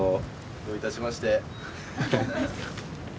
・どういたしまして。